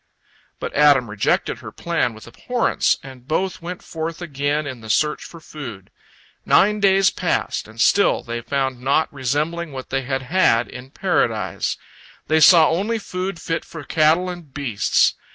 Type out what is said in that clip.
But Adam rejected her plan with abhorrence, and both went forth again on the search for food. Nine days passed, and still they found naught resembling what they had had in Paradise. They saw only food fit for cattle and beasts.